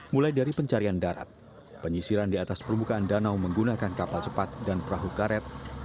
mulai dari pencarian darat penyisiran di atas permukaan danau menggunakan kapal cepat dan perahu karet